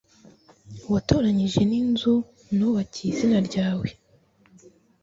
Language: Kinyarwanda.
watoranyije n inzu nubakiye izina ryawe